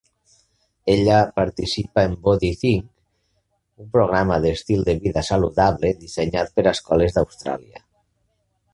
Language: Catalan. Ella participa en BodyThink, un programa d'estil de vida saludable dissenyat per a escoles d'Austràlia.